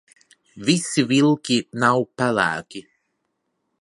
Visi vilki nav pelēki.